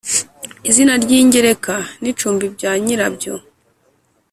izina ry'ingereka n'icumbi bya nyirabyo